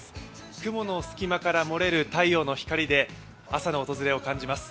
雲の隙間から漏れる太陽の光で朝の訪れを感じます。